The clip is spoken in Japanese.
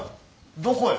どこへ？